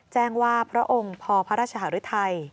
แจ้งว่าพระองค์พอพระราชหารุทัย